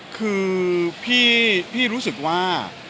คือพี่รู้สึกว่า